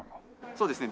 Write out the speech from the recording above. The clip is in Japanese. そうですね。